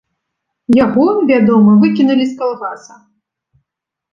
Яго, вядома, выкінулі з калгаса.